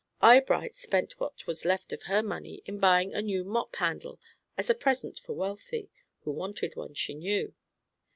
Eyebright spent what was left of her money in buying a new mop handle as a present for Wealthy, who wanted one, she knew.